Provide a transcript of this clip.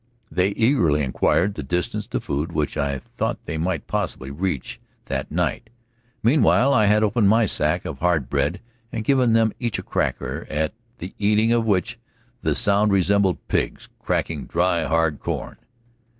They eagerly inquired the distance to food, which I thought they might possibly reach that night. Meanwhile I had opened my sack of hard bread and had given each a cracker, at the eating of which the sound resembled pigs cracking dry, hard corn.